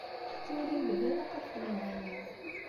Tettwalim belli ilaq ad xedmeɣ aya?